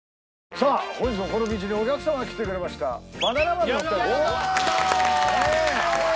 さあ本日もこのビーチにお客様が来てくれましたバナナマンのお二人ですイエーイ！